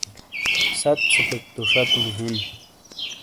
ست ژھوپیک تو شاتو ہِین۔